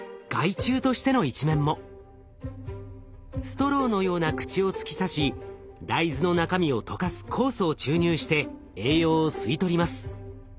ストローのような口を突き刺し大豆の中身を溶かす酵素を注入して栄養を吸い取ります。